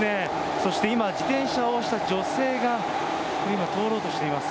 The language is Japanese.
そして今、自転車を押した女性が今、通ろうとしています。